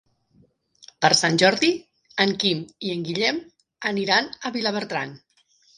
Per Sant Jordi en Quim i en Guillem aniran a Vilabertran.